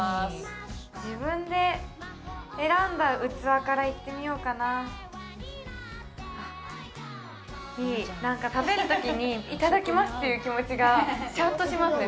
自分で選んだ器からいってみようかなあっいいなんか食べる時にいただきますっていう気持ちがしゃんとしますね